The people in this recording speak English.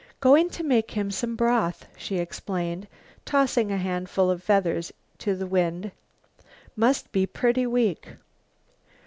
"Goin' to make him some broth," she explained, tossing a handful of feathers to the wind. "Must be pretty weak."